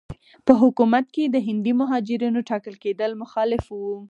په حکومت کې د هندي مهاجرینو ټاکل کېدل مخالف وو.